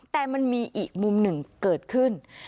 แต่มันมีอีกมุมหนึ่งเกิดขึ้น